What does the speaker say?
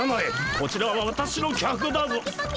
こちらは私の客だぞ！